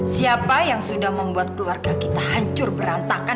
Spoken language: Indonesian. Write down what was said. siapa yang sudah membuat keluarga kita hancur berantakan